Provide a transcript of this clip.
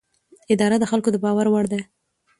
اداره د خلکو د باور وړ وي.